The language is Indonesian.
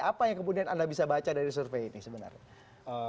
apa yang kemudian anda bisa baca dari survei ini sebenarnya